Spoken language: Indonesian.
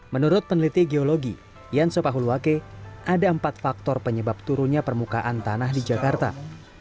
menurut peneliti geologi yansopahuluwake ada empat faktor penyebab turunnya permukaan tanah di jakarta